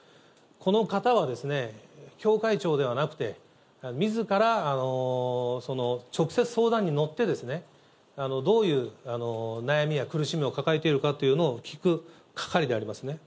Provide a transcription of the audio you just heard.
この方はですね、教会長ではなくて、みずから直接相談に乗って、どういう悩みや苦しみを抱えているのかというのを聞く係でありますね。